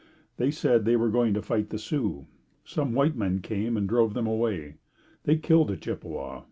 They said they were going to fight the Sioux. Some white men came and drove them away. They killed a Chippewa.